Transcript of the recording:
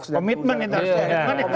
komitmen itu harusnya